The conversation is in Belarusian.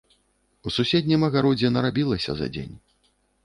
У суседнім агародзе нарабілася за дзень.